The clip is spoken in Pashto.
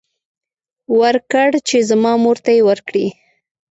ورکړ چې زما مور ته يې ورکړي.